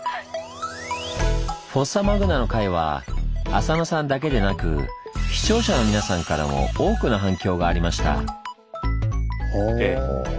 フォッサマグナの回は浅野さんだけでなく視聴者の皆さんからも多くの反響がありました。